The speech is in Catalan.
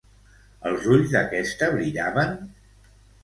Els ulls d'aquesta brillaven?